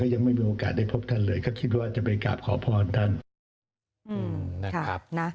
ก็ยังไม่มีโอกาสได้พบท่านเลยเขาคิดว่าจะไปกราบขอพรท่าน